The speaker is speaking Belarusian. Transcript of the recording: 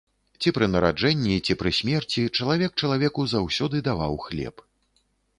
Ці пры нараджэнні, ці пры смерці чалавек чалавеку заўсёды даваў хлеб.